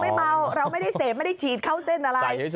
ไม่เมาเราไม่ได้เสพไม่ได้ฉีดเข้าเส้นอะไร